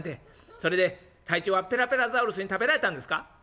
それで隊長はペラペラザウルスに食べられたんですか？」。